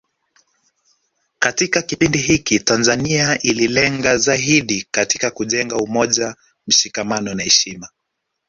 Katika kipindi hiki Tanzania ililenga zaidi katika kujenga umoja mshikamano na heshima